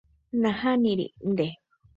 Nahániri. Nde.